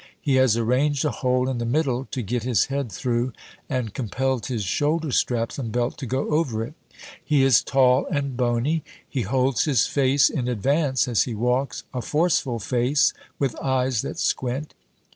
He has arranged a hole in the middle to get his head through, and compelled his shoulder straps and belt to go over it. He is tall and bony. He holds his face in advance as he walks, a forceful face, with eyes that squint.